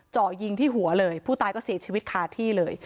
เจาะยิงที่หัวเลยผู้ตายก็เสียชีวิตคาที่เลย